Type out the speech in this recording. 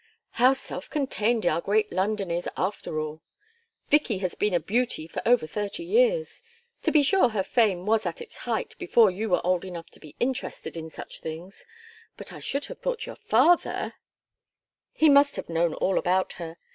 How self contained our great London is, after all! Vicky has been a beauty for over thirty years to be sure her fame was at its height before you were old enough to be interested in such things. But I should have thought your father " "He must have known all about her.